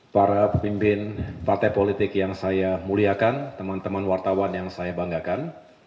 para pemimpin partai politik yang saya muliakan teman teman wartawan yang saya banggakan